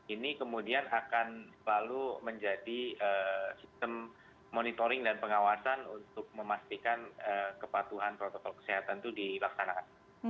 ini kemudian akan selalu menjadi sistem monitoring dan pengawasan untuk memastikan kepatuhan protokol kesehatan itu dilaksanakan